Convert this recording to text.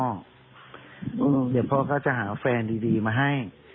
เดี๋ยวพ่อก็จะหาแฟนดีมาให้